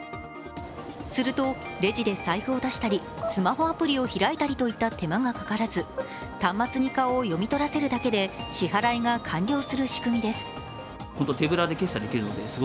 するとレジで財布を出したりスマホアプリを開いたりといった手間がかからず端末に顔を読み取らせるだけで支払いが完了する仕組みです。